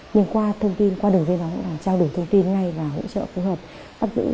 nhưng qua thông tin qua đường dây nóng là trao đổi thông tin ngay và hỗ trợ phối hợp áp dụng